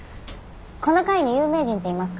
この階に有名人っていますか？